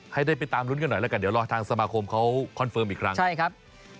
ให้ได้ไปตามรุ้นกันหน่อยแล้วกันเดี๋ยวรอทางสมาคมเขาคอนเฟิร์มอีกครั้งใช่ครับ